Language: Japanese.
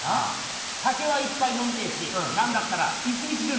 酒はいっぱい飲みてえし何だったら一日中飲みてえ。